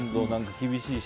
厳しいし。